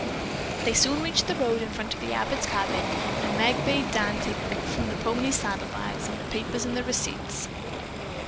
They soon reached the road in front of the Abbotts' cabin and Meg bade Dan take from the pony's saddle bags the papers and receipts.